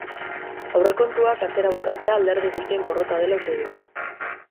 Aurrekontuak atzera botatzea alderdi guztien porrota dela uste du.